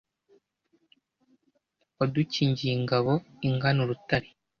wadukingiye ingabo ingana urutare,